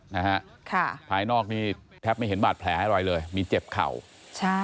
นะฮะค่ะภายนอกนี่แทบไม่เห็นบาดแผลอะไรเลยมีเจ็บเข่าใช่